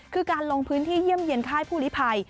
คือการลงพื้นที่เยี่ยมเยี่ยค่ายผู้ลิภัย